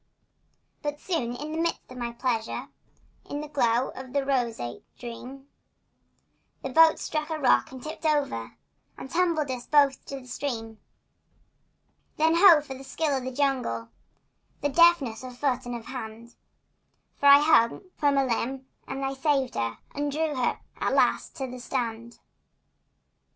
But soon, in the midst of my pleasure, In the glow of a roseate dream, The boat struck a rock and tipped over And tumbled us both in the stream. Then, ho, for the skill of the jungle! The deftness of foot and of hand! For I hung from a limb and I saved her And drew her at last to the strand.